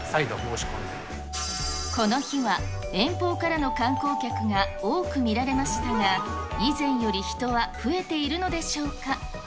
この日は遠方からの観光客が多く見られましたが、以前より人は増えているのでしょうか。